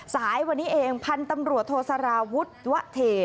สายวันนี้เองพันธุ์ตำรวจโทสาราวุฒิวะเท